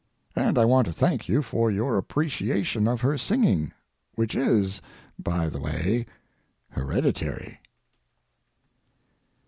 And I want to thank you for your appreciation of her singing, which is, by the way, hereditary.